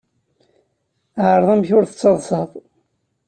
Ɛreḍ amek ur tettaḍsaḍ.